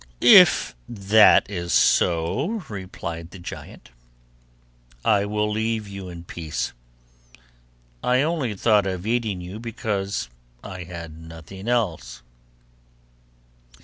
'If that is so,' replied the giant, 'I will leave you in peace; I only thought of eating you because I had nothing else.